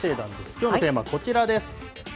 きょうのテーマはこちらです。